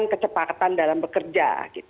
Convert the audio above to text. kecepatan dalam bekerja